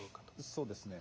そうですね。